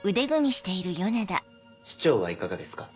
市長はいかがですか？